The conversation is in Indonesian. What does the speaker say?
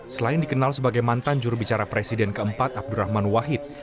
selain dikenal sebagai mantan jurubicara presiden keempat abdurrahman wahid